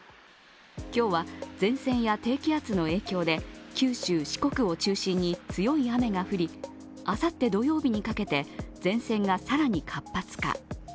今日は前線や低気圧の影響で九州・四国を中心に強い雨が降り、あさって土曜日にかけて前線が更に活発化。